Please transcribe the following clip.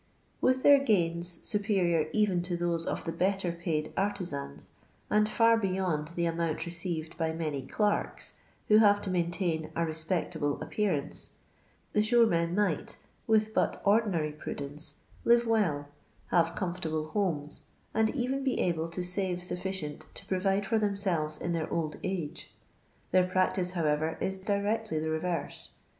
With their gains, superior even to those of the better paid artizans, and fiir beyond the amount received by many clerks, who have to maint iin a "respectable appearance," the shore men might, with but ordinary' prudence, live well, have comfortable homes, and even be able to save sufficient to provide for themselves in their old age. Their practice, however, is directly the reverse.